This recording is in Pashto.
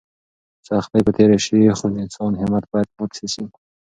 سختۍ به تېرې شي خو د انسان همت باید پاتې شي.